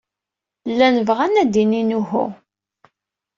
Llan bɣan ad d-inin uhu.